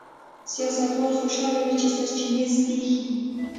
سیاستوال خوشاله وي چې سرچینې زبېښي.